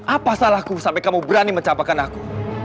apa salahku sampai kamu berani mencapakan aku